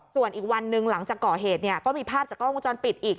ส่วนอีกวันหนึ่งหลังจากก่อเหตุก็มีภาพจากกล้องวงจรปิดอีก